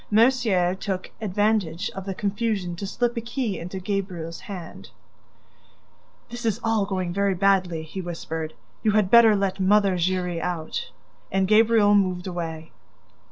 Mercier took advantage of the confusion to slip a key into Gabriel's hand: "This is all going very badly," he whispered. "You had better let Mother Giry out." And Gabriel moved away.